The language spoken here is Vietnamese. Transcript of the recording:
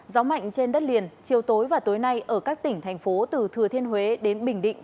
gió mạnh trên đất liền chiều tối và tối nay ở các tỉnh thành phố từ thừa thiên huế đến bình định